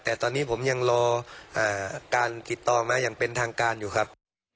แต่ตอนนี้ผมยังรอการติดต่อมาอย่างเป็นทางการอยู่ครับ